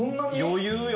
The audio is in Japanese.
余裕よ。